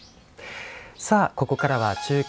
ここからは「中継！